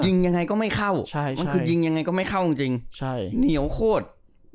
ยังไงก็ไม่เข้าใช่มันคือยิงยังไงก็ไม่เข้าจริงใช่เหนียวโคตร